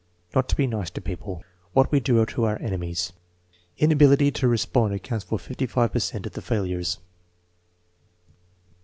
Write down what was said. "Not to be nice to people." "What we do to our enemies." Liability to respond accounts for 55 per cent of the failures.